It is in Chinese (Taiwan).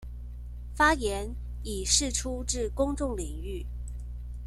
發言以釋出至公眾領域